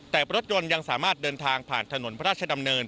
แต่รถยนต์ยังสามารถเดินทางผ่านถนนพระราชดำเนิน